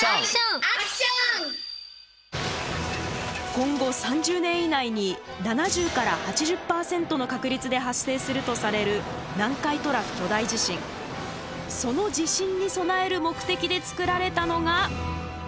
今後３０年以内に７０から８０％の確率で発生するとされるその地震に備える目的で作られたのが。